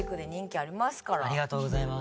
ありがとうございます。